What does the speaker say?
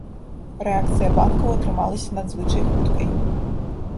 Рэакцыя банкаў атрымалася надзвычай хуткай.